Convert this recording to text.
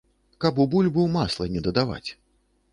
Каб у бульбу масла не дадаваць.